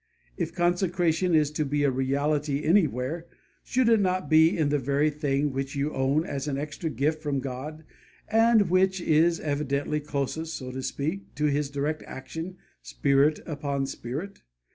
If consecration is to be a reality anywhere, should it not be in the very thing which you own as an extra gift from God, and which is evidently closest, so to speak, to His direct action, spirit upon spirit?